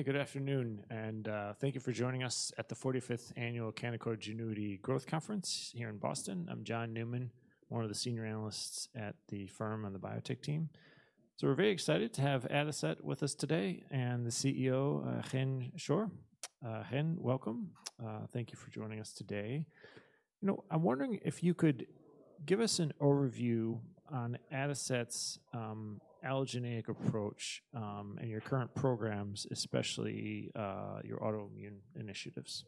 Good afternoon, and thank you for joining us at the 45th Annual Canaccord Genuity Growth Conference here in Boston. I'm John Newman, one of the Senior Analysts at the firm on the biotech team. We're very excited to have Adicet with us today and the CEO, Chen Schor. Chen, welcome. Thank you for joining us today. You know, I'm wondering if you could give us an overview on Adicet's allogeneic approach and your current programs, especially your autoimmune initiatives.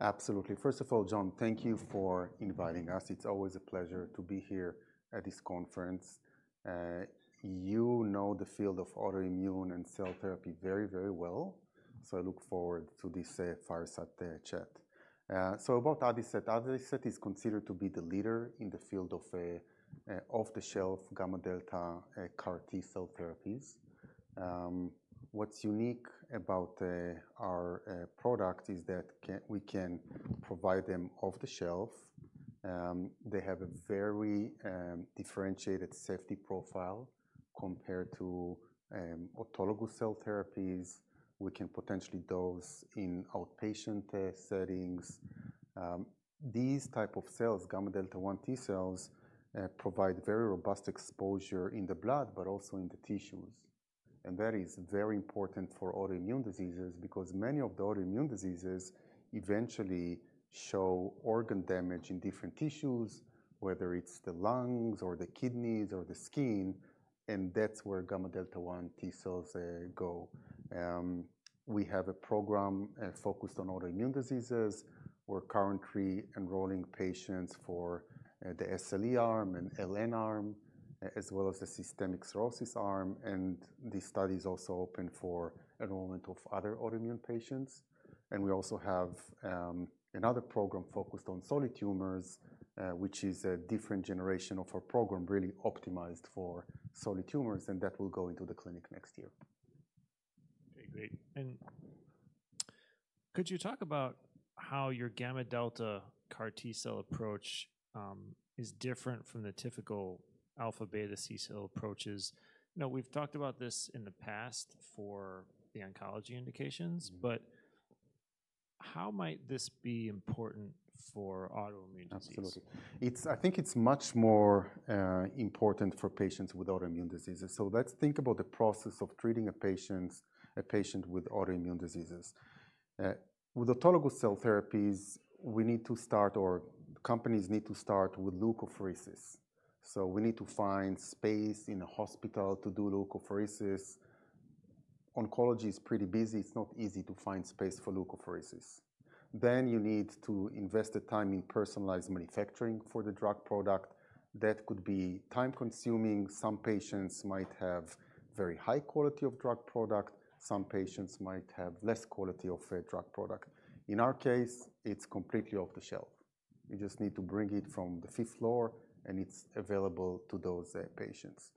Absolutely. First of all, John, thank you for inviting us. It's always a pleasure to be here at this conference. You know the field of autoimmune and cell therapy very, very well, so I look forward to this fireside chat. About Adicet, Adicet is considered to be the leader in the field of off-the-shelf Gamma-delta CAR-T cell therapies. What's unique about our product is that we can provide them off-the-shelf. They have a very differentiated safety profile compared to autologous cell therapies. We can potentially dose in outpatient care settings. These types of cells, Gamma-delta 1-T cells, provide very robust exposure in the blood but also in the tissues. That is very important for autoimmune diseases because many of the autoimmune diseases eventually show organ damage in different tissues, whether it's the lungs or the kidneys or the skin, and that's where Gamma-delta 1-T cells go. We have a program focused on autoimmune diseases. We're currently enrolling patients for the SLE arm and LN arm, as well as the Systemic sclerosis arm, and this study is also open for enrollment of other autoimmune patients. We also have another program focused on solid tumors, which is a different generation of our program really optimized for solid tumors, and that will go into the clinic next year. Great. Could you talk about how your Gamma-delta CAR-T cell approach is different from the typical alpha-beta C cell approaches? Now, we've talked about this in the past for the oncology indications, but how might this be important for autoimmune diseases? Absolutely. I think it's much more important for patients with autoimmune diseases. Let's think about the process of treating a patient with autoimmune diseases. With autologous cell therapies, we need to start, or companies need to start with Leukapheresis. We need to find space in a hospital to do Leukapheresis. Oncology is pretty busy, it's not easy to find space for Leukapheresis. You need to invest the time in personalized manufacturing for the drug product. That could be time-consuming. Some patients might have a very high quality of drug product, some patients might have less quality of drug product. In our case, it's completely off-the-shelf. You just need to bring it from the fifth floor, and it's available to those patients.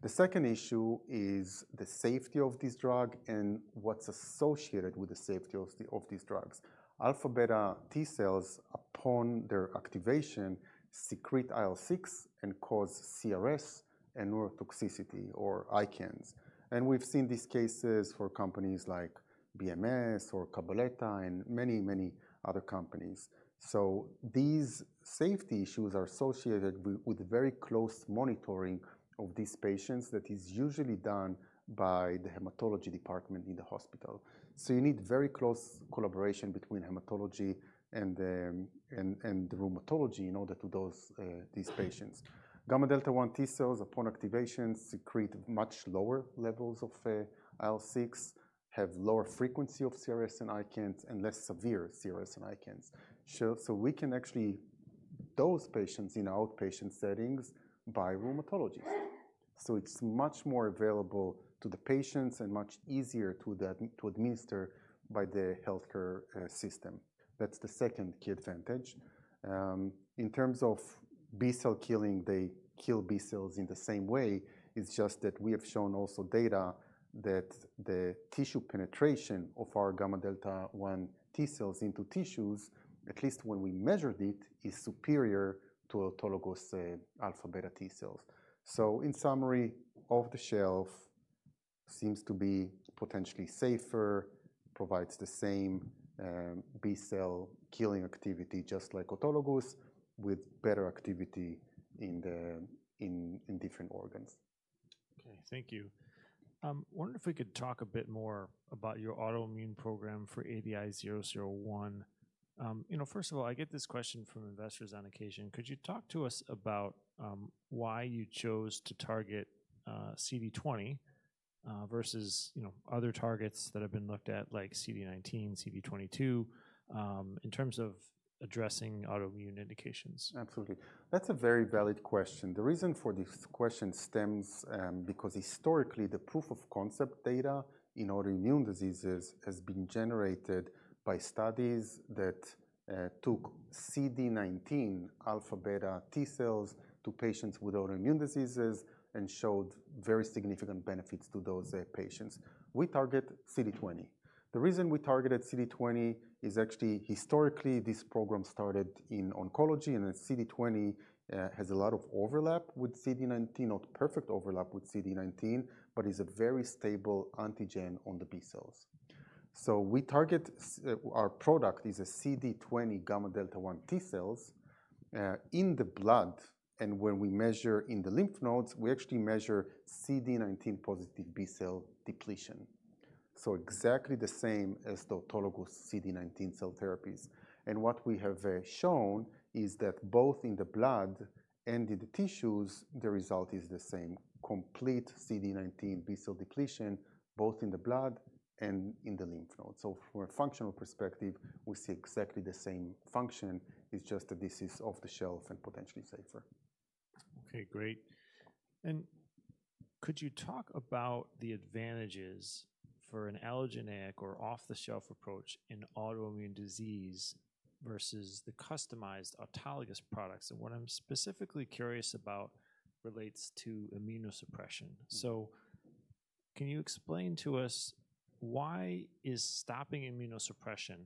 The second issue is the safety of this drug and what's associated with the safety of these drugs. Alpha-beta T cells, upon their activation, secrete IL-6 and cause (CRS) and neurotoxicity (ICANS). We've seen these cases for companies like BMS or Cabaletta and many, many other companies. These safety issues are associated with very close monitoring of these patients that is usually done by the hematology department in the hospital. You need very close collaboration between hematology and rheumatology in order to dose these patients. Gamma-delta 1-T cells, upon activation, secrete much lower levels of IL-6, have lower frequency of CRS and ICANS, and less severe CRS and ICANS. We can actually dose patients in outpatient settings by rheumatologists. It's much more available to the patients and much easier to administer by the healthcare system. That's the second key advantage. In terms of B cell, they kill B cells in the same way. We have shown also data that the tissue penetration of our Gamma-delta 1-T cell into tissues, at least when we measured it, is superior to autologous alpha-beta T cell therapies. In summary, off-the-shelf seems to be potentially safer, provides the same B cell killing activity just like autologous with better activity in different organs. Okay, thank you. I wonder if we could talk a bit more about your autoimmune program for ADI-001. You know, first of all, I get this question from investors on occasion. Could you talk to us about why you chose to target CD20 versus other targets that have been looked at, like CD19, CD22, in terms of addressing autoimmune indications? Absolutely. That's a very valid question. The reason for this question stems because historically the proof of concept data in autoimmune diseases has been generated by studies that took CD19 alpha-beta T cells to patients with autoimmune diseases and showed very significant benefits to those patients. We target CD20. The reason we targeted CD20 is actually historically this program started in oncology, and CD20 has a lot of overlap with CD19, not perfect overlap with CD19, but is a very stable antigen on the B cells. Our product is a CD20 Gamma-delta 1-T cells in the blood, and when we measure in the lymph nodes, we actually measure CD19 +B cell depletion. Exactly the same as the autologous CD19 cell therapies. What we have shown is that both in the blood and in the tissues, the result is the same: complete CD19 B cell depletion, both in the blood and in the lymph nodes. From a functional perspective, we see exactly the same function. It's just that this is off-the-shelf and potentially safer. Okay, great. Could you talk about the advantages for an allogeneic or off-the-shelf approach in autoimmune disease versus the customized autologous products? What I'm specifically curious about relates to immunosuppression. Can you explain to us why is stopping immunosuppression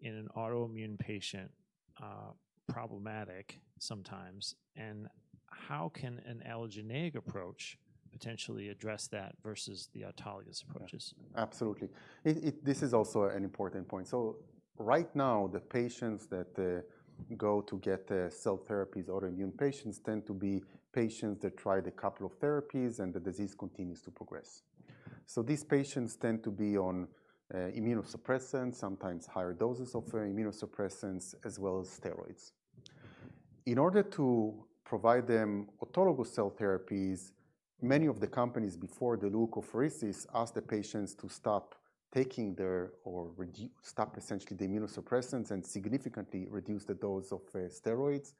in an autoimmune patient problematic sometimes, and how can an allogeneic approach potentially address that versus the autologous approaches? Absolutely. This is also an important point. Right now, the patients that go to get cell therapies in autoimmune patients tend to be patients that tried a couple of therapies, and the disease continues to progress. These patients tend to be on immunosuppressants, sometimes higher doses of immunosuppressants, as well as steroids. In order to provide them autologous cell therapies, many of the companies before the Leukapheresis ask the patients to stop taking their or stop essentially the immunosuppressants and significantly reduce the dose of steroids.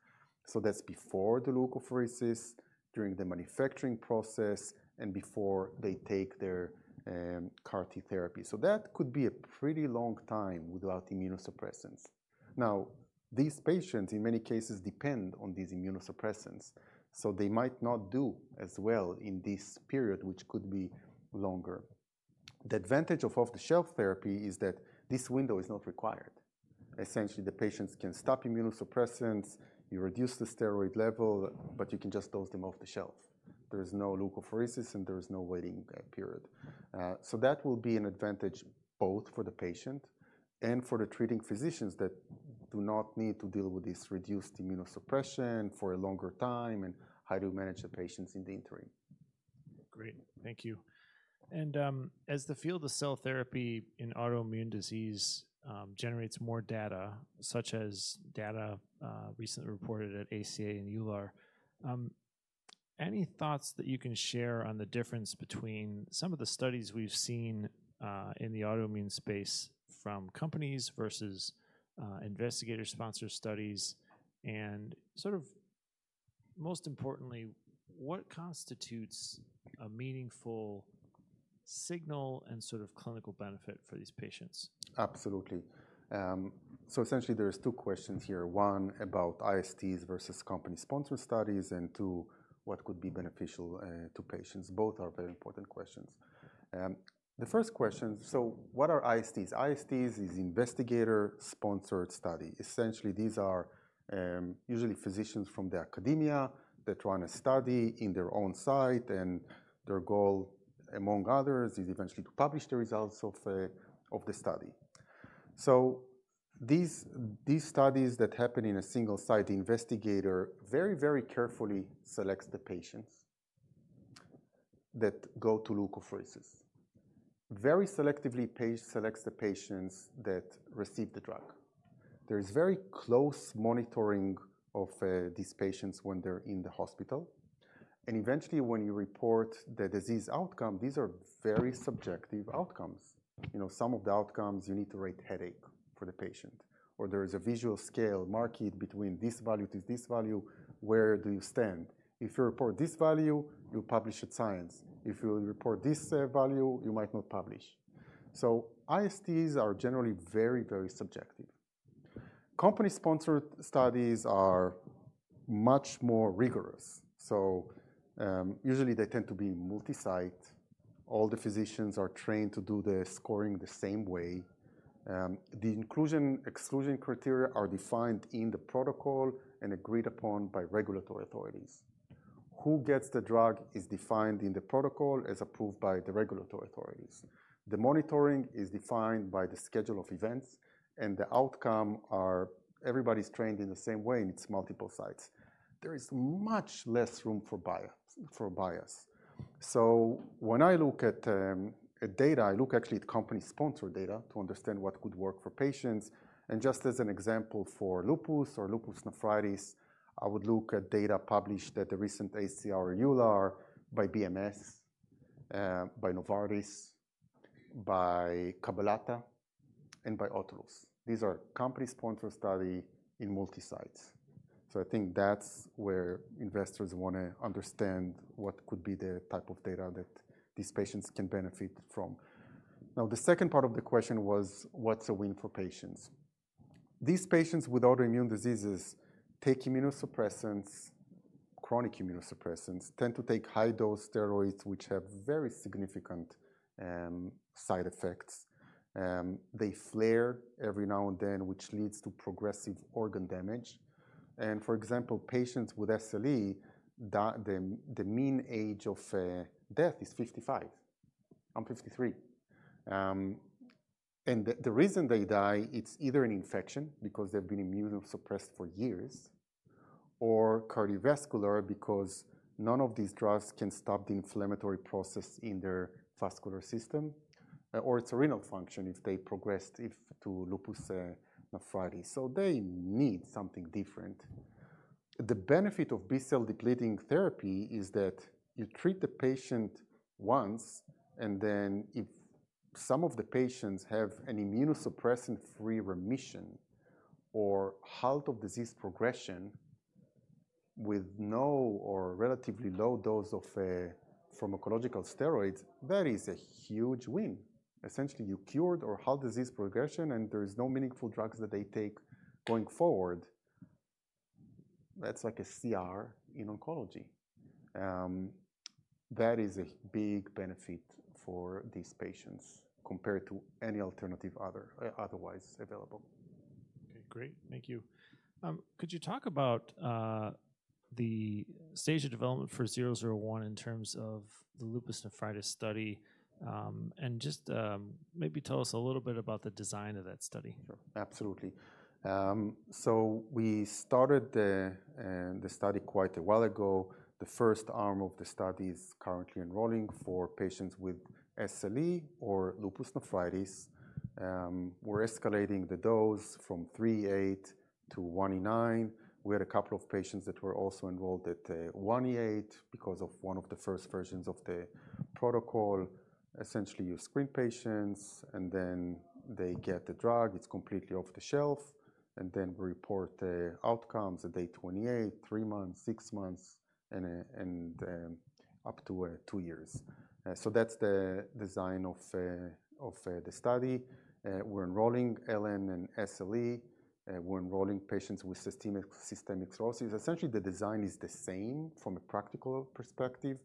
That is before the Leukapheresis, during the manufacturing process, and before they take their CAR-T therapy. That could be a pretty long time without immunosuppressants. These patients in many cases depend on these immunosuppressants, so they might not do as well in this period, which could be longer. The advantage of off-the-shelf therapy is that this window is not required. Essentially, the patients can stop immunosuppressants, you reduce the steroid level, but you can just dose them off-the-shelf. There is no Leukapheresis, and there is no waiting period. That will be an advantage both for the patient and for the treating physicians that do not need to deal with this reduced immunosuppression for a longer time and how to manage the patients in the interim. Great, thank you. As the field of cell therapy in autoimmune disease generates more data, such as data recently reported at ACA and EULAR, any thoughts that you can share on the difference between some of the studies we've seen in the autoimmune space from companies versus investigator-sponsored studies? Most importantly, what constitutes a meaningful signal and clinical benefit for these patients? Absolutely. Essentially, there are two questions here: one about ISTs versus company-sponsored studies, and two, what could be beneficial to patients. Both are very important questions. The first question is, what are ISTs? ISTs is Investigator-sponsored study. Essentially, these are usually physicians from academia that run a study in their own site, and their goal, among others, is eventually to publish the results of the study. These studies happen in a single site, the investigator very, very carefully selects the patients that go to Leukapheresis. Very selectively, the investigator selects the patients that receive the drug. There is very close monitoring of these patients when they're in the hospital. Eventually, when you report the disease outcome, these are very subjective outcomes. Some of the outcomes you need to rate headache for the patient, or there is a visual scale marked between this value to this value. Where do you stand? If you report this value, you publish at Science. If you report this value, you might not publish. ISTs are generally very, very subjective. Company-sponsored studies are much more rigorous. Usually, they tend to be multi-site. All the physicians are trained to do the scoring the same way. The inclusion/exclusion criteria are defined in the protocol and agreed upon by regulatory authorities. Who gets the drug is defined in the protocol as approved by the regulatory authorities. The monitoring is defined by the schedule of events, and the outcome everybody is trained in the same way, and it's multiple sites. There is much less room for bias. When I look at data, I look actually at company-sponsored data to understand what could work for patients. Just as an example for lupus or lupus nephritis, I would look at data published at the recent ACR/EULAR by BMS, by Novartis, by Cabaletta, and by Autolus. These are company-sponsored studies in multi-sites. I think that's where investors want to understand what could be the type of data that these patients can benefit from. Now, the second part of the question was, what's a win for patients? These patients with autoimmune diseases take immunosuppressants, chronic immunosuppressants, tend to take high-dose steroids, which have very significant side effects. They flare every now and then, which leads to progressive organ damage. For example, patients with SLE, the mean age of death is 55. I'm 53. The reason they die, it's either an infection because they've been immunosuppressed for years, or cardiovascular because none of these drugs can stop the inflammatory process in their vascular system, or it's a renal function. They progressed to lupus nephritis. They need something different. The benefit of B cell-depleting therapy is that you treat the patient once, and then if some of the patients have an immunosuppression-free remission or halt of disease progression with no or relatively low dose of pharmacological steroids, that is a huge win. Essentially, you cured or halt disease progression, and there are no meaningful drugs that they take going forward. That's like a CR in oncology. That is a big benefit for these patients compared to any alternative otherwise available. Okay, great. Thank you. Could you talk about the stage of development for ADI-001 in terms of the lupus nephritis study? Just maybe tell us a little bit about the design of that study. Absolutely. We started the study quite a while ago. The first arm of the study is currently enrolling for patients with SLE or lupus nephritis. We're escalating the dose from 3E8-1E9. We had a couple of patients that were also enrolled at 1E8 because of one of the first versions of the protocol. Essentially, you screen patients, and then they get the drug. It's completely off-the-shelf, and we report outcomes at day 28, three months, six months, and up to two years. That's the design of the study. We're enrolling LN and SLE. We're enrolling patients with Systemic sclerosis. Essentially, the design is the same from a practical perspective.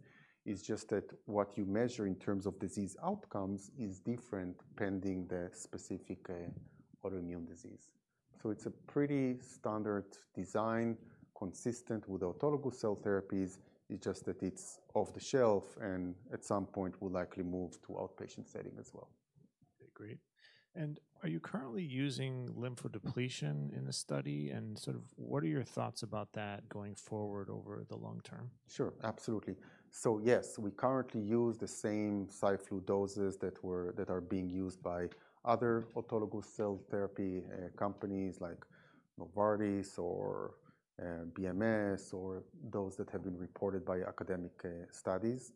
It's just that what you measure in terms of disease outcomes is different pending the specific autoimmune disease. It's a pretty standard design consistent with autologous cell therapies. It's just that it's off-the-shelf, and at some point, we'll likely move to outpatient administration as well. Okay, great. Are you currently using lymphodepletion in the study? What are your thoughts about that going forward over the long term? Sure, absolutely. Yes, we currently use the same cycle doses that are being used by other autologous cell therapy companies like Novartis or BMS or those that have been reported by academic studies.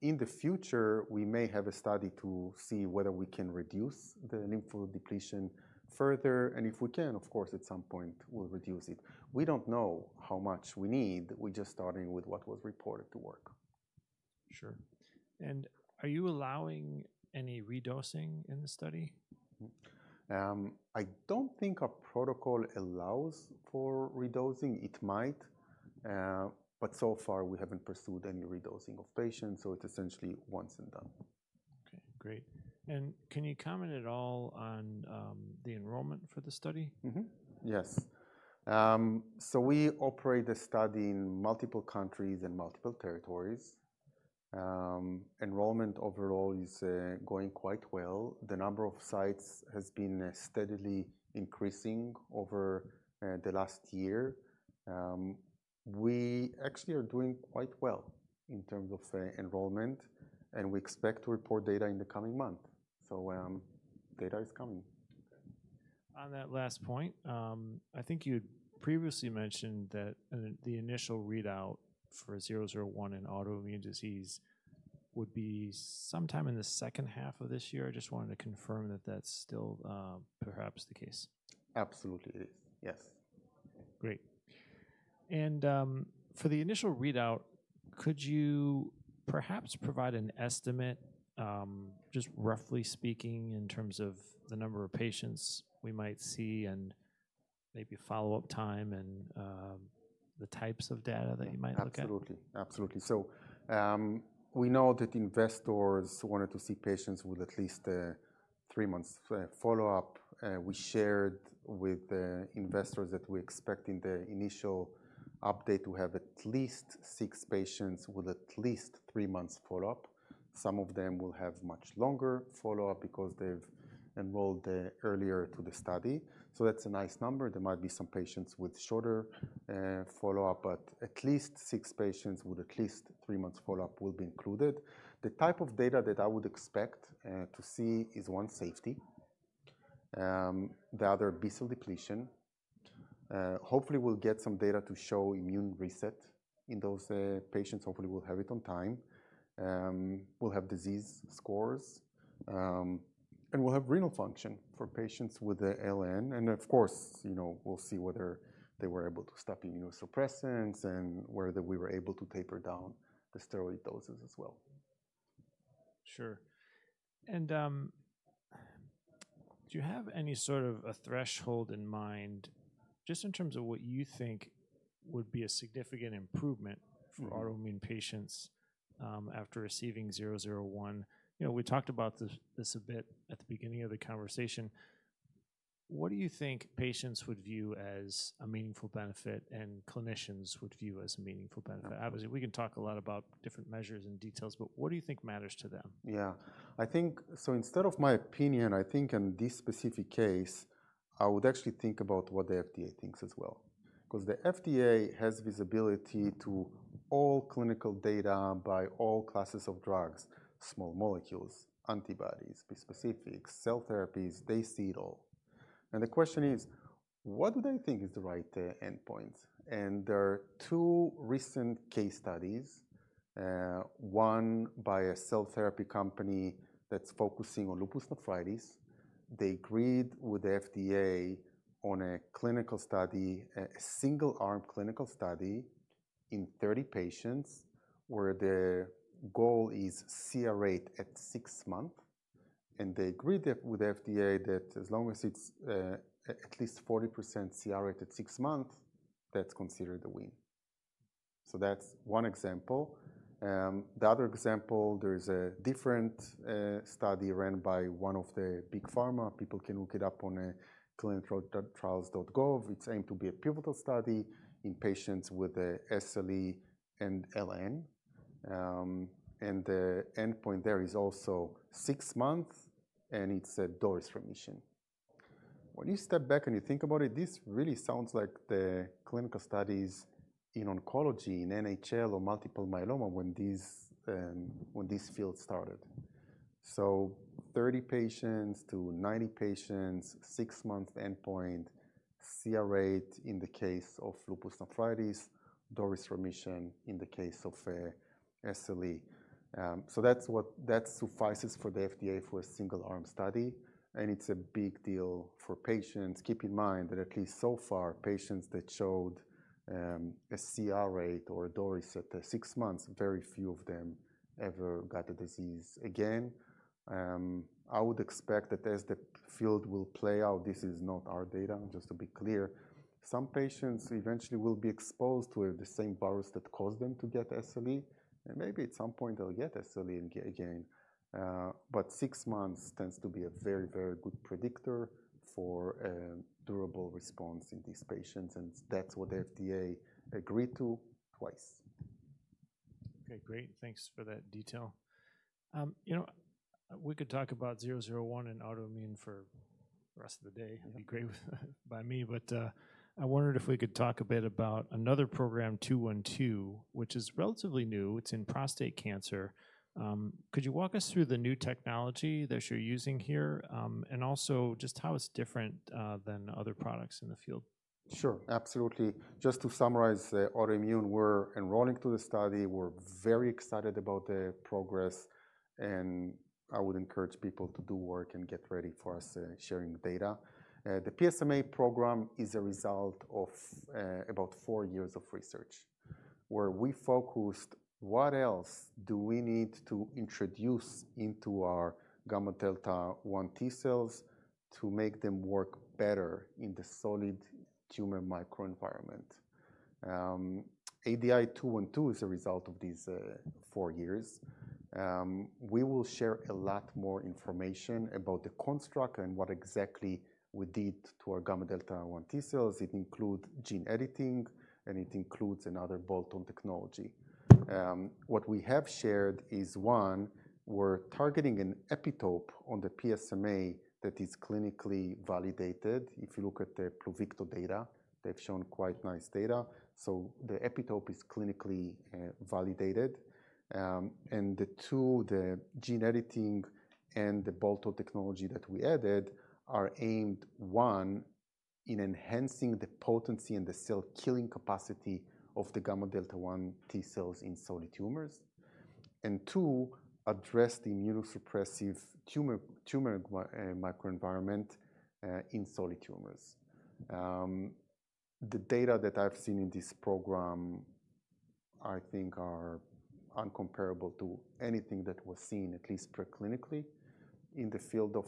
In the future, we may have a study to see whether we can reduce the lymphodepletion further. If we can, of course, at some point, we'll reduce it. We don't know how much we need. We're just starting with what was reported to work. Sure. Are you allowing any re-dosing in the study? I don't think our protocol allows for re-dosing. It might, but so far, we haven't pursued any re-dosing of patients, so it's essentially once and done. Okay, great. Can you comment at all on the enrollment for the study? Yes. We operate the study in multiple countries and multiple territories. Enrollment overall is going quite well. The number of sites has been steadily increasing over the last year. We actually are doing quite well in terms of enrollment, and we expect to report data in the coming month. Data is coming. Okay. On that last point, I think you had previously mentioned that the initial readout for ADI-001 in autoimmune disease would be sometime in the second half of this year. I just wanted to confirm that that's still perhaps the case. Absolutely, it is. Yes. Great. For the initial readout, could you perhaps provide an estimate, just roughly speaking, in terms of the number of patients we might see, maybe a follow-up time, and the types of data that you might look at? Absolutely, absolutely. We know that investors wanted to see patients with at least three months follow-up. We shared with investors that we expect in the initial update to have at least six patients with at least three months follow-up. Some of them will have much longer follow-up because they've enrolled earlier to the study. That's a nice number. There might be some patients with shorter follow-up, but at least six patients with at least three months follow-up will be included. The type of data that I would expect to see is, one, safety. The other, B cell depletion. Hopefully, we'll get some data to show immune reset in those patients. Hopefully, we'll have it on time. We'll have disease scores, and we'll have renal function for patients with LN. Of course, you know, we'll see whether they were able to stop immunosuppressants and whether we were able to taper down the steroid doses as well. Sure. Do you have any sort of a threshold in mind just in terms of what you think would be a significant improvement for autoimmune patients after receiving ADI-001? You know, we talked about this a bit at the beginning of the conversation. What do you think patients would view as a meaningful benefit and clinicians would view as a meaningful benefit? Obviously, we can talk a lot about different measures and details, but what do you think matters to them? Yeah, I think, instead of my opinion, in this specific case, I would actually think about what the FDA thinks as well because the FDA has visibility to all clinical data by all classes of drugs: small molecules, antibodies, specific cell therapies, they see it all. The question is, what do they think is the right endpoint? There are two recent case studies, one by a cell therapy company that's focusing on lupus nephritis. They agreed with the FDA on a clinical study, a single-arm clinical study in 30 patients where the goal is CR rate at six months. They agreed with the FDA that as long as it's at least 40% CR rate at six months, that's considered the win. That's one example. The other example, there's a different study run by one of the big pharma. People can look it up on clinicaltrials.gov. It's aimed to be a pivotal study in patients with SLE and LN. The endpoint there is also six months, and it's a dose remission. When you step back and you think about it, this really sounds like the clinical studies in oncology, in NHL or multiple myeloma when this field started. 30 patients-90 patients, six-month endpoint, CR rate in the case of lupus nephritis, dose remission in the case of SLE. That's what suffices for the FDA for a single-arm study, and it's a big deal for patients. Keep in mind that at least so far, patients that showed a CR rate or a dose at six months, very few of them ever got the disease again. I would expect that as the field will play out, this is not our data, just to be clear, some patients eventually will be exposed to the same virus that caused them to get SLE, and maybe at some point they'll get SLE again. Six months tends to be a very, very good predictor for a durable response in these patients, and that's what the FDA agreed to twice. Okay, great. Thanks for that detail. You know, we could talk about ADI-001 in autoimmune for the rest of the day. It'd be great by me, but I wondered if we could talk a bit about another program, ADI-212, which is relatively new. It's in prostate cancer. Could you walk us through the new technology that you're using here and also just how it's different than other products in the field? Sure, absolutely. Just to summarize, autoimmune we're enrolling to the study. We're very excited about the progress, and I would encourage people to do work and get ready for us sharing the data. The PSMA program is a result of about four years of research where we focused on what else do we need to introduce into our Gamma-delta 1-T cells to make them work better in the solid tumor micro-environment. ADI-212 is a result of these four years. We will share a lot more information about the construct and what exactly we did to our Gamma-delta 1-T cells. It includes gene editing, and it includes another bolt-on technology. What we have shared is, one, we're targeting an epitope on the PSMA that is clinically validated. If you look at the PLUVICTO data, they've shown quite nice data. The epitope is clinically validated. The gene editing and the bolt-on technology that we added are aimed, one, in enhancing the potency and the cell killing capacity of the Gamma-delta 1-T cells in solid tumors, and two, address the immunosuppressive tumor micro-environment in solid tumors. The data that I've seen in this program, I think, are uncomparable to anything that was seen at least preclinically in the field of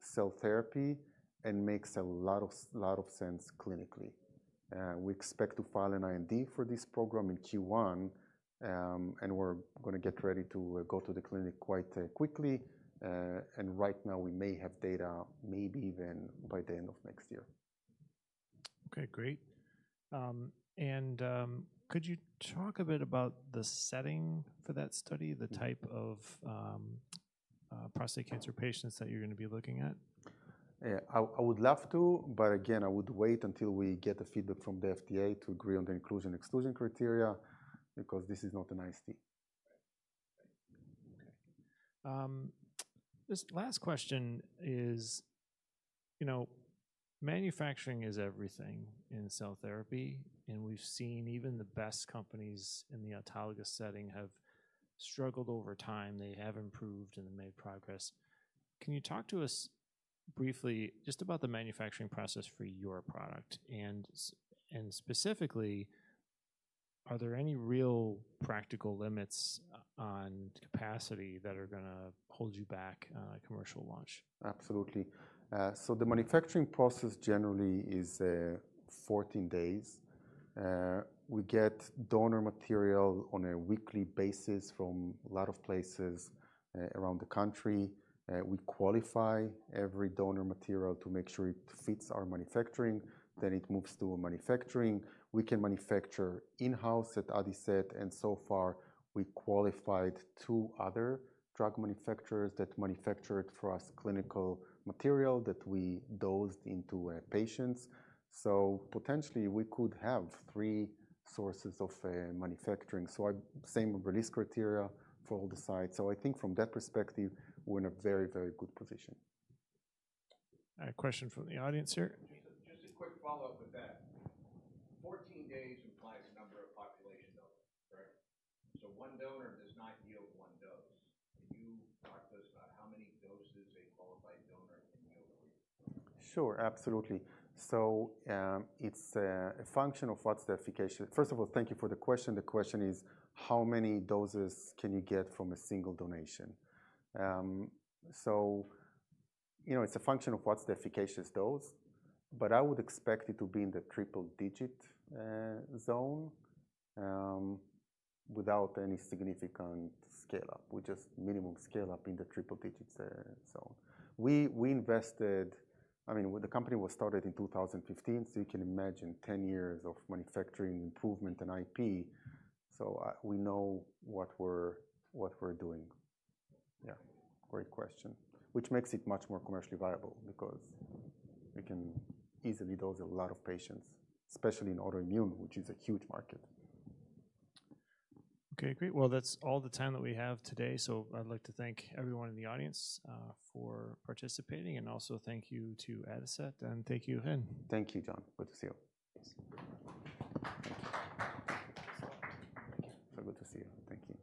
cell therapy and makes a lot of sense clinically. We expect to file an IND for this program in Q1, and we're going to get ready to go to the clinic quite quickly. Right now, we may have data maybe even by the end of next year. Okay, great. Could you talk a bit about the setting for that study, the type of prostate cancer patients that you're going to be looking at? Yeah, I would love to, but again, I would wait until we get the feedback from the FDA to agree on the inclusion/exclusion criteria because this is not an IST. Okay. This last question is, you know, manufacturing is everything in cell therapy, and we've seen even the best companies in the autologous setting have struggled over time. They have improved and made progress. Can you talk to us briefly just about the manufacturing process for your product? Specifically, are there any real practical limits on capacity that are going to hold you back on a commercial launch? Absolutely. The manufacturing process generally is 14 days. We get donor material on a weekly basis from a lot of places around the country. We qualify every donor material to make sure it fits our manufacturing. It moves to manufacturing. We can manufacture in-house at Adicet, and so far, we qualified two other drug manufacturers that manufactured for us clinical material that we dosed into patients. Potentially, we could have three sources of manufacturing. The same release criteria apply for all the sites. I think from that perspective, we're in a very, very good position. Question from the audience here. 14 days implies a number of population donors, right? One donor does not yield one dose. Can you talk to us about how many doses a qualified donor can yield? Sure, absolutely. It's a function of what's the efficacious. First of all, thank you for the question. The question is, how many doses can you get from a single donation? It's a function of what's the efficacious dose, but I would expect it to be in the triple-digit zone without any significant scale-up. With just minimum scale-up in the triple-digit zone. The company was started in 2015, so you can imagine 10 years of manufacturing improvement and IP. We know what we're doing. Yeah, great question, which makes it much more commercially viable because we can easily dose a lot of patients, especially in autoimmune, which is a huge market. Okay, great. That's all the time that we have today. I'd like to thank everyone in the audience for participating, and also thank you to Adicet, and thank you, Chen. Thank you, John. Good to see you. Very good to see you. Thank you.